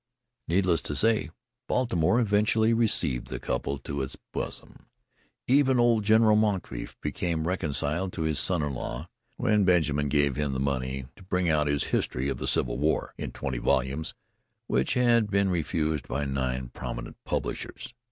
Needless to say, Baltimore eventually received the couple to its bosom. Even old General Moncrief became reconciled to his son in law when Benjamin gave him the money to bring out his History of the Civil War in twenty volumes, which had been refused by nine prominent publishers.